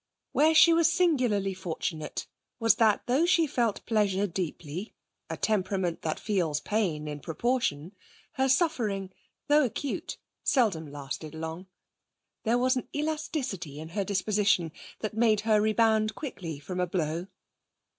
Where she was singularly fortunate was that though she felt pleasure deeply a temperament that feels pain in proportion her suffering, though acute, seldom lasted long. There was an elasticity in her disposition that made her rebound quickly from a blow.